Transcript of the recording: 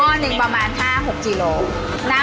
ค่ะหม้อนึงประมาณ๕๖กิโลกรัม